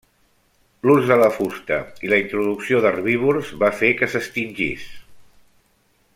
L'ús de la fusta i la introducció d'herbívors va fer que s'extingís.